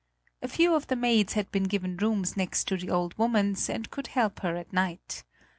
A few of the maids had been given rooms next to the old woman's and could help her at night.